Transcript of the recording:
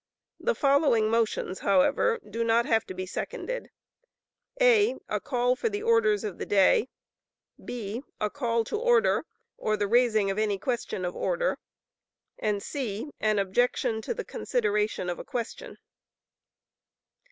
The following motions, however, do not have to be seconded: (a) a call for the orders of the day; (b) a call to order, or the raising of any question of order; and (c) an objection to the consideration of a question.